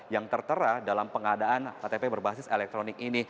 yang tertera dalam pengadaan ktp berbasis elektronik ini